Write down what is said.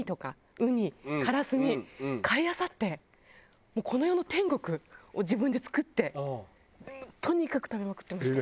ウニカラスミ買いあさってこの世の天国を自分で作ってとにかく食べまくってました。